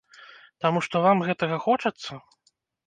Таму што вам гэтага хочацца?